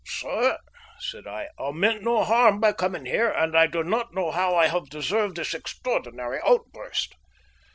"Sir," said I, "I meant no harm by coming here, and I do not know how I have deserved this extraordinary outburst.